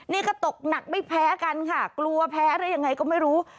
นี่ก็ตกหนักไม่แพ้กันค่ะกลัวแพ้หรือยังไงก็ไม่รู้